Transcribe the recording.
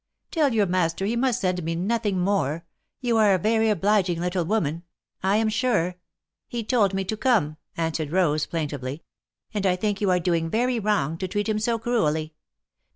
" Tell your master he must send me nothing more. You are a very obliging little woman. I am sure —" He told me to come," answered Rose, plaintively, ^^and I think you are doing very wrong, to treat him so cruelly